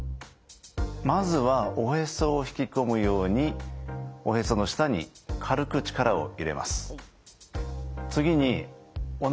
まずはおへそを引き込むようにおへその下に軽く力を入れます。